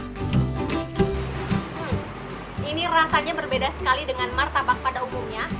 hmm ini rasanya berbeda sekali dengan martabak pada umumnya